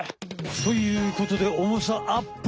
ということでおもさアップ！